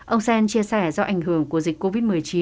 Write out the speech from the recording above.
ông sen chia sẻ do ảnh hưởng của dịch covid một mươi chín